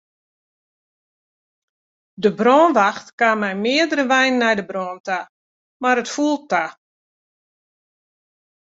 De brânwacht kaam mei meardere weinen nei de brân ta, mar it foel ta.